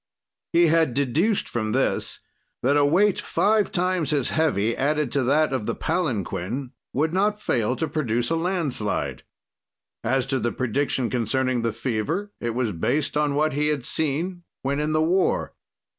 "He had deduced from this that a weight five times as heavy added to that of the palanquin, would not fail to produce a landslide. "As to the prediction concerning the fever, it was based on what he had seen when in the war.